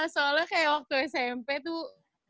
soalnya kayak waktu smp tuh